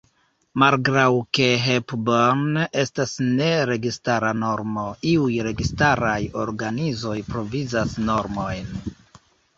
Malgraŭ ke Hepburn estas ne registara normo, iuj registaraj organizoj provizas normojn.